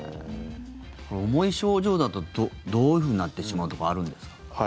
重い症状だとどういうふうになってしまうとかあるんですか？